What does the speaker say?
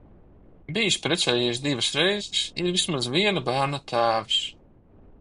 Bijis precējies divas reizes, ir vismaz viena bērna tēvs.